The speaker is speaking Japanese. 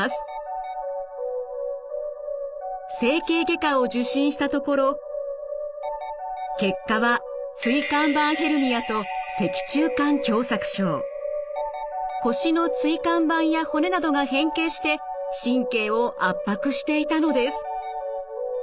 整形外科を受診したところ結果は腰の椎間板や骨などが変形して神経を圧迫していたのです。